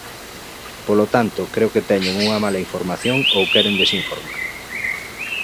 Polo tanto, creo que teñen unha mala información, ou queren desinformar.